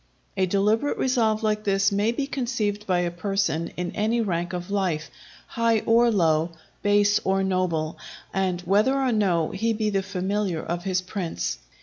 A deliberate resolve like this may be conceived by a person in any rank of life, high or low, base or noble, and whether or no he be the familiar of his prince.